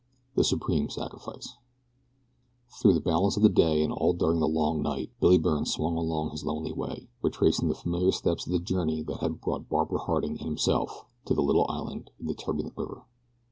THE SUPREME SACRIFICE THROUGH the balance of the day and all during the long night Billy Byrne swung along his lonely way, retracing the familiar steps of the journey that had brought Barbara Harding and himself to the little island in the turbulent river.